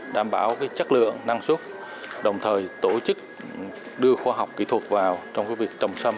đảm bảo chất lượng năng suất đồng thời tổ chức đưa khoa học kỹ thuật vào trong việc trồng xâm